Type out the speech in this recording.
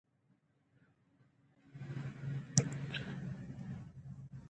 ایا ته خپل اهداف پوره کولی شې؟